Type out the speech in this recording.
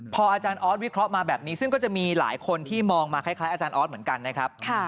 พออาจารย์ออสวิเคราะห์มาแบบนี้ซึ่งก็จะมีหลายคนที่มองมาคล้ายอาจารย์ออสเหมือนกันนะครับ